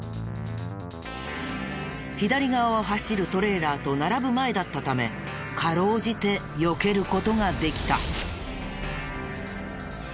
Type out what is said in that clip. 左側を走るトレーラーと並ぶ前だったため辛うじてよける事ができた。